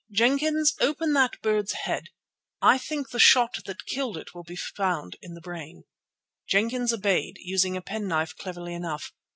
"Jenkins, open that bird's head. I think the shot that killed it will be found in the brain." Jenkins obeyed, using a penknife cleverly enough.